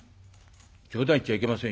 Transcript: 冗談言っちゃいけません。